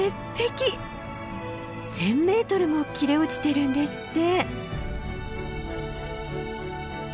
１，０００ｍも切れ落ちてるんですって。